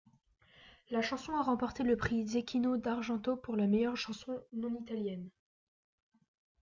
La chanson a remporté le prix Zecchino d'Argento pour la meilleure chanson non-italienne.